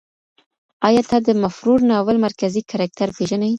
آیا ته د مفرور ناول مرکزي کرکټر پېژنې؟